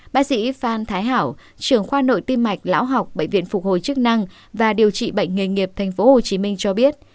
bác sĩ phan thái hảo trường khoa nội tim mạch lão học bệnh viện phục hồi chức năng và điều trị bệnh nghề nghiệp tp hcm cho biết